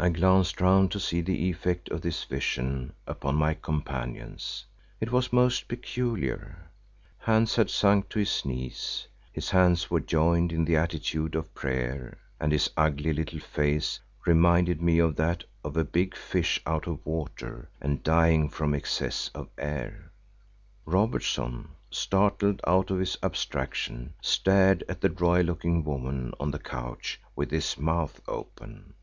I glanced round to see the effect of this vision upon my companions. It was most peculiar. Hans had sunk to his knees; his hands were joined in the attitude of prayer and his ugly little face reminded me of that of a big fish out of water and dying from excess of air. Robertson, startled out of his abstraction, stared at the royal looking woman on the couch with his mouth open.